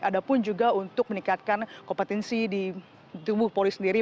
ada pun juga untuk meningkatkan kompetensi di tubuh polri sendiri